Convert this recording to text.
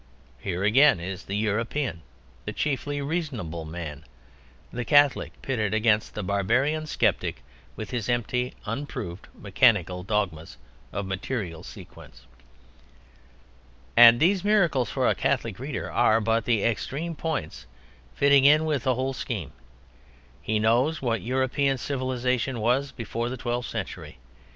Here again is the European, the chiefly reasonable man, the Catholic, pitted against the barbarian skeptic with his empty, unproved, mechanical dogmas of material sequence. And these miracles, for a Catholic reader, are but the extreme points fitting in with the whole scheme. He knows what European civilization was before the twelfth century.